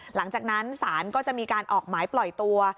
หลังจากนั้นศาลก็จะมีการออกหมายปล่อยตัว